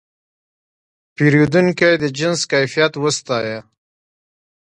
پیرودونکی د جنس کیفیت وستایه.